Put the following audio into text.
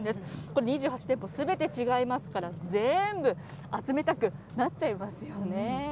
これ、２８店舗すべて違いますから、全部集めたくなっちゃいますよね。